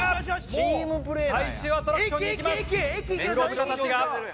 チームプレーだ。